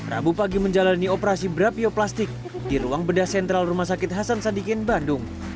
rabu pagi menjalani operasi berapioplastik di ruang bedah sentral rumah sakit hasan sadikin bandung